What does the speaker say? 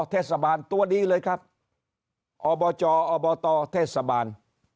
ออเทศบาลตัวนี้เลยครับออเทศบาล